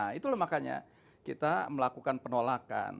nah itulah makanya kita melakukan penolakan